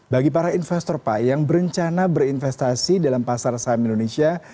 bagi para investor pak yang berencana berinvestasi dalam pasar saham indonesia